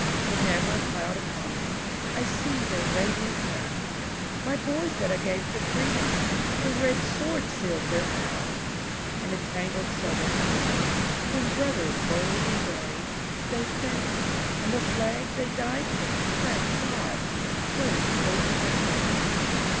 With never a cloud upon them, I see their radiant brows; My boys that I gave to freedom, The red sword sealed their vows! In a tangled Southern forest, Twin brothers bold and brave, They fell; and the flag they died for, Thank God! floats over their grave.